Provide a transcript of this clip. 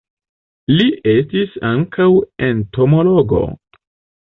Li estis ankaŭ entomologo.